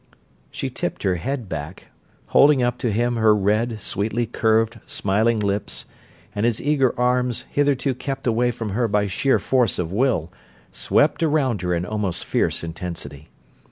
She tipped her head back, holding up to him her red, sweetly curved, smiling lips, and his eager arms, hitherto kept away from her by sheer force of will, swept around her in almost fierce intensity.